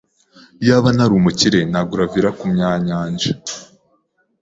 Iyaba nari umukire, nagura villa kumyanyanja.